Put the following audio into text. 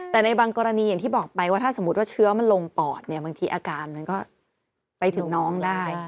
แต่ในบางกรณีอย่างที่บอกไปว่าถ้าสมมุติว่าเชื้อมันลงปอดเนี่ยบางทีอาการมันก็ไปถึงน้องได้